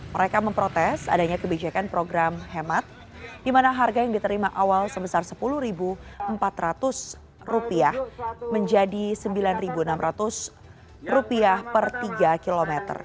mereka memprotes adanya kebijakan program hemat di mana harga yang diterima awal sebesar rp sepuluh empat ratus menjadi rp sembilan enam ratus per tiga km